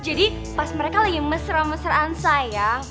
jadi pas mereka lagi mesra mesraan sayang